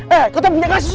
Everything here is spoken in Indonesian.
eh kau tak punya kasus